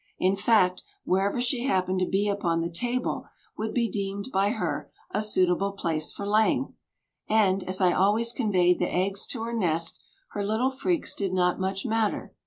In fact, wherever she happened to be upon the table would be deemed by her a suitable place for laying; and, as I always conveyed the eggs to her nest, her little freaks did not much matter.